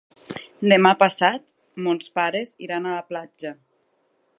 Demà passat mons pares iran a la platja.